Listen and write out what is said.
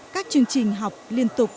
các chương trình học liên tục